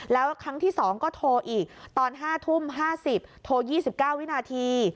แล้วครั้งที่๒ก็โทรอีกตอน๕ทุ่ม๕๐โทร๒๙วินาที